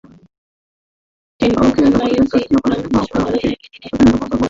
চেন্নাইয়ের শ্রী রামাচন্দ্র বিশ্ববিদ্যালয়ে একই দিনে অ্যাকশনের পরীক্ষা দিয়েছেন পাকিস্তানেরর সাঈদ আজমলও।